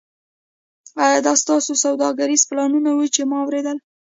ایا دا ستاسو سوداګریز پلانونه وو چې ما اوریدل